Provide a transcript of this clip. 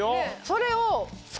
それを。